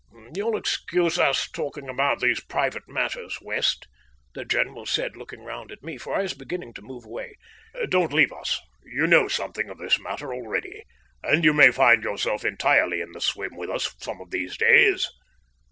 "You'll excuse us talking about these private matters, West," the general said, looking round at me, for I was beginning to move away. "Don't leave us. You know something of this matter already, and may find yourself entirely in the swim with us some of these days."